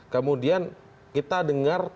kemudian kita dengar pernyataan